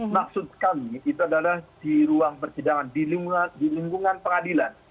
maksud kami itu adalah di ruang persidangan di lingkungan pengadilan